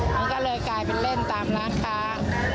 มันก็เลยกลายเป็นเล่นตามร้านค้า